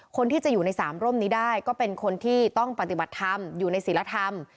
คนที่จะอยู่ในสามร่มนี้ได้ก็เป็นคนที่ต้องปฏิบัติธรรมอยู่ในศิลธรรม